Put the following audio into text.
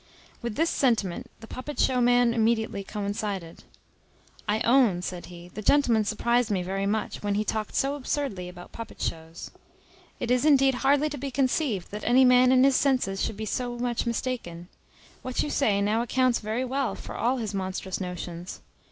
With this sentiment the puppet show man immediately coincided. "I own," said he, "the gentleman surprized me very much, when he talked so absurdly about puppet shows. It is indeed hardly to be conceived that any man in his senses should be so much mistaken; what you say now accounts very well for all his monstrous notions.